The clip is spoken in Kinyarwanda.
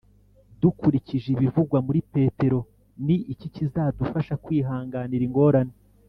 Dukurikije ibivugwa muri Petero ni iki kizadufasha kwihanganira ingorane